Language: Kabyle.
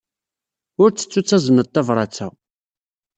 Ur ttettu ad tazneḍ tabṛat-a.